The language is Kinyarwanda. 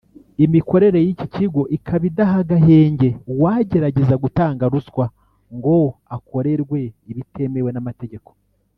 imikorere y’iki kigo ikaba idaha agahenge uwagerageza gutanga ruswa ngo akorerwe ibitemewe n’amategeko